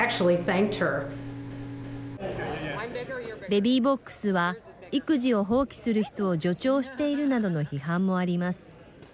ベビーボックスは育児を放棄する人を助長しているなどの批判もあります。